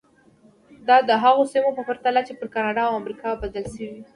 دا د هغو سیمو په پرتله چې پر کاناډا او امریکا بدلې شوې.